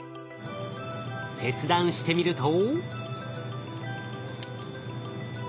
切断してみると。